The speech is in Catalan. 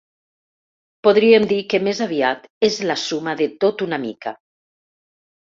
Podríem dir que més aviat és la suma de tot una mica.